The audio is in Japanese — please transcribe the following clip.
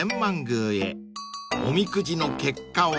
［おみくじの結果は？］